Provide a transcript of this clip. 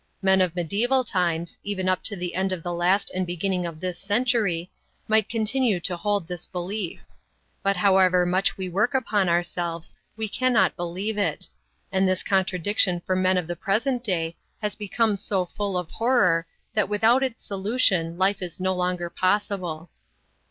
Men of medieval times even up to the end of the last and beginning of this century might continue to hold this belief. But however much we work upon ourselves we cannot believe it. And this contradiction for men of the present day has become so full of horror that without its solution life is no longer possible.